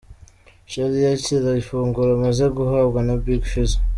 Charly yakira ifunguro amaze guhabwa na Big Fizzo.